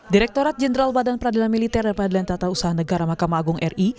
direktorat jenderal badan pradilan militer dan pradilan tata usaha negara makam agung ri